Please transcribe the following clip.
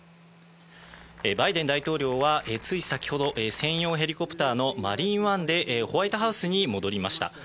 バイデン大統領はつい先ほど専用ヘリコプターのマリーンワンでホワイトハウスに戻りました。